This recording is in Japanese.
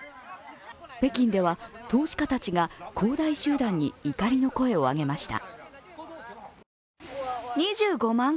北京では投資家たちが恒大集団に怒りの声を上げました。